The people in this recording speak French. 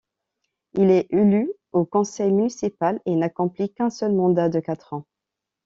Il est élu au conseil municipal et n'accomplit qu'un seul mandat de quatre ans.